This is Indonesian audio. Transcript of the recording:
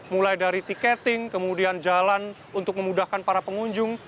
mulai dari tiketing kemudian jalan untuk memudahkan para pengunjung